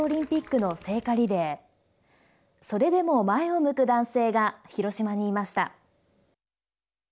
それでも前を向く男性が広島にいました。